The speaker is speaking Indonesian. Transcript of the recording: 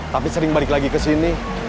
tapi sering balik lagi ke sini